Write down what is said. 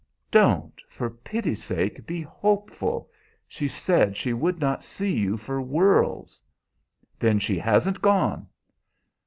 "Don't, for pity's sake, be hopeful! She said she would not see you for worlds." "Then she hasn't gone."